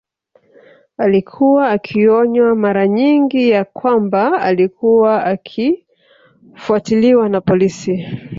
Alikuwa akionywa maranyingi ya kwamba alikuwa akifuatiliwa na polisi